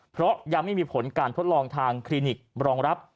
เพราะยังไม่มีผลการทดลองทางคลินิกรองรับ